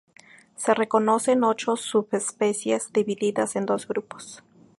Se reconocen ocho subespecies, divididas en dos grupos.